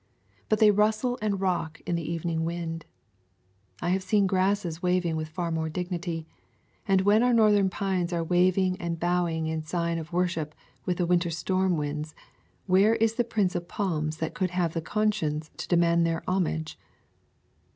But they rustle and rock in the evening wind. I have seen grasses waving with far more dignity. And when our northern pines are waving and bowing in sign of wor ship with the winter storm winds, where is the prince of palms that could have the conscience to demand their homage!